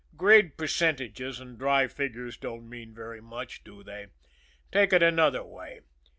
Grade percentages and dry figures don't mean very much, do they? Take it another way.